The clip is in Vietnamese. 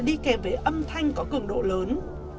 đi kèm với âm thanh có cường độ lớn